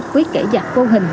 với kẻ giặc vô hình